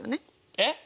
えっ？